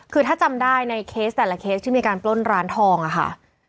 คือถ้าจำได้ในเคสแต่ละเคสที่มีการปล้นร้านทองอะค่ะ